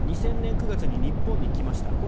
２０００年９月に日本に来ました。